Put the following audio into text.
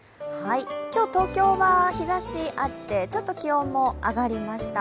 今日、東京は日ざしがあってちょっと気温も上がりました。